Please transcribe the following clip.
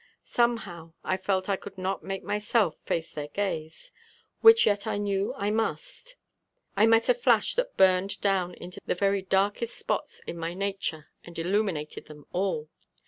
Somehow I felt I could not make myself face their gaze, which yet I knew I must. I met a flash that burned down into the very darkest spots in my nature and illuminated them all.